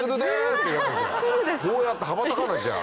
こうやって羽ばたかなきゃ。